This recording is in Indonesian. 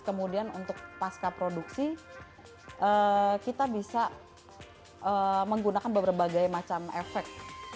kemudian untuk pasca produksi kita bisa menggunakan berbagai macam efek